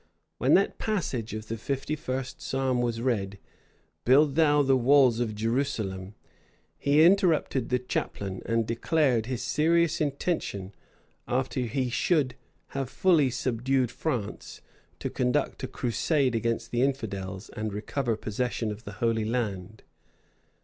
When that passage of the fifty first psalm was read, "build thou the walls of Jerusalem," he interrupted the chaplain, and declared his serious intention, after he should have fully subdued France, to conduct a crusade against the infidels, and recover possession of the Holy Land.